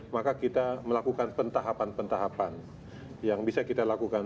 maka kita melakukan pentahapan pentahapan yang bisa kita lakukan